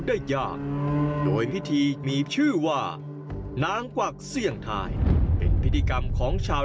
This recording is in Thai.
ก็จะเห็นพิธีกรรมนี้อย่างแน่นอน